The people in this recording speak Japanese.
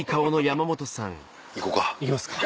行きますか。